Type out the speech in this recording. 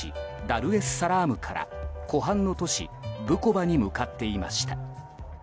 ダルエスサラームから湖畔の都市ブコバに向かっていました。